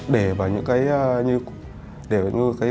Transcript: để vào những cái